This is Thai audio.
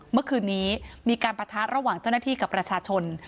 เมื่อคืนนี้มีการปะทะระหว่างเจ้าหน้าที่กับประชาชน